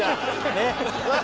ねっ？